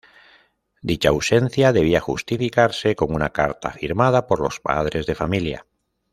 Dicha ausencia debía justificarse con una carta firmada por los padres de familia.